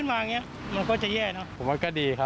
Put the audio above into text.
แต่ว่าถ้ามุมมองในทางการรักษาก็ดีค่ะ